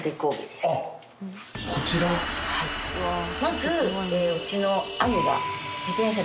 まずうちの。